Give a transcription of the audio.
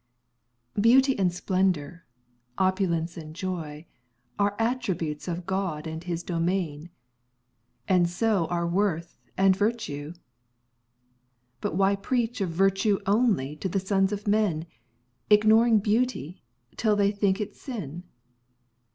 Beauty and splendour, opulence and joy, Are attributes of God and His domain, And so are worth and virtue. But why preach Of virtue only to the sons of men, Ignoring beauty, till they think it sin?